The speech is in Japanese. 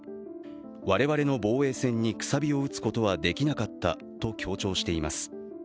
我々の防衛線にくさびを打つことはできなかったと強調しています。